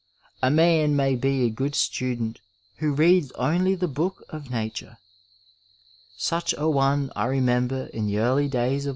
A man may be a good student who reads only the book of nature. Such a one ^ I remember in the early days of my ^ The late John Bell.